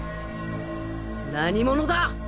何者だ！！